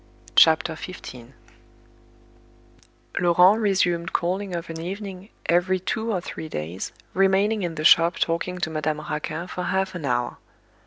CHAPTER XV Laurent resumed calling of an evening, every two or three days, remaining in the shop talking to Madame Raquin for half an hour.